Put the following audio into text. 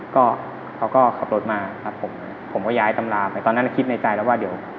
เขาก็ขับรถมาผมก็ย้ายตำราไปตอนนั้นเกิดในใจว่า